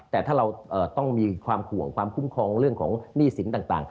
แต่ถ้าเราต้องมีความห่วงความคุ้มครองเรื่องของหนี้สินต่าง